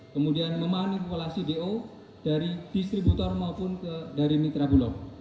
kemudian memanipulasi do dari distributor maupun dari mitra bulog